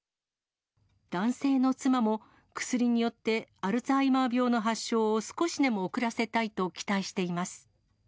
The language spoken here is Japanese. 男性の妻も、薬によってアルツハイマー病の発症を少しでも遅らせたいと期待しています。